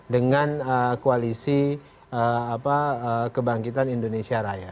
dengan koalisi kebangkitan indonesia raya